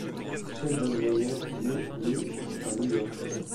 Sheldon Mayer naît le à New York.